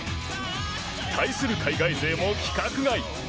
対する海外勢も規格外。